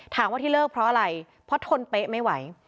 ถามว่าที่เลิกเพราะอะไรเพราะทนเป๊ะไม่ไหว